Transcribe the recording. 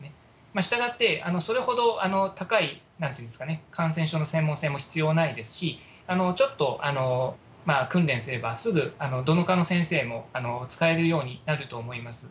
したがって、それほど高い、なんていうんですかね、感染症の専門性も必要ないですし、ちょっと、訓練すればすぐどの科の先生も使えるようになると思います。